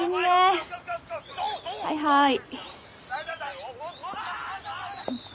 ・はいはい。